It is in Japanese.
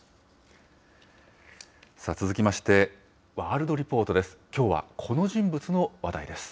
続きまして、ワールドリポートです。